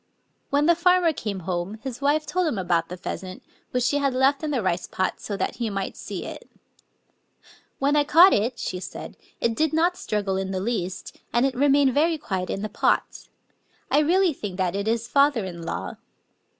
When the farmer came home his wife told him about the pheasant, which she had left in the rice pot, so that he might see it. "When I caught it," she said, "it did not struggle in the least; and it remained very quiet in the pot. I really think that it is father in law."